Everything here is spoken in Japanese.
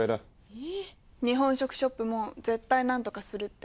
えぇ？日本食ショップも絶対なんとかするって。